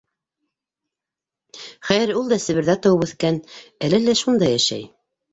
Хәйер, ул да Себерзә тыуып үҫкән, әле лә шунда йәшәй.